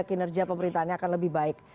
kinerja pemerintahannya akan lebih baik